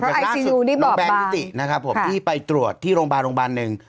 เพราะรักษุน้องแบงค์นิตินะครับผมที่ไปตรวจที่โรงพยาบาล๑